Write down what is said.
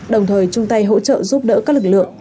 đồng thời chung tay hỗ trợ giúp đỡ các lực lượng